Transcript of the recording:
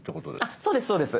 あっそうですそうです。